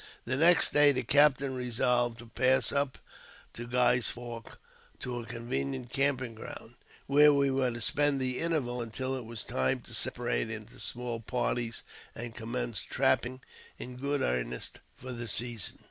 The next day the captain resolved to pass up to Guy's Fork to a convenient camping ground, where we were to spend the interval until it was time to separate into small parties, and commence trapping in good earnest for the season.